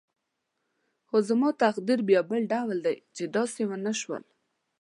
خو زما تقدیر بیا بل ډول دی چې داسې ونه شول.